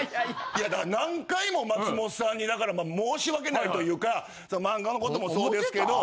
いやだから何回も松本さんに申し訳ないというか漫画の事もそうですけど。